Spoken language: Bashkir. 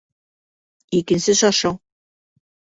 ИКЕНСЕ ШАРШАУ